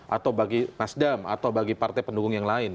atau bagi nasdem atau bagi partai pendukung yang lain